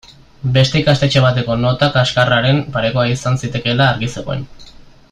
Beste ikastetxe bateko nota kaxkarraren parekoa izan zitekeela argi zegoen.